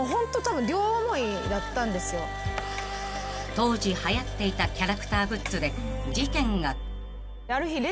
［当時はやっていたキャラクターグッズで事件が］